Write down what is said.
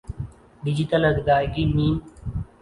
digital ادائیگی م